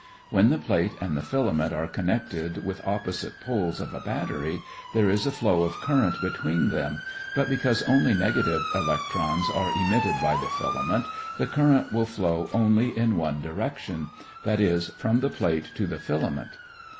When the plate and the filament are connected with opposite poles of a battery, there is a flow of current between them, but because only negative electrons are emitted by the filament, the current will flow only in one direction that is, from the plate to the filament.